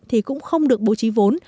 thì cũng không được bố trí vốn